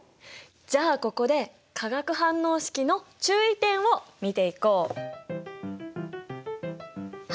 じゃあここで化学反応式の注意点を見ていこう。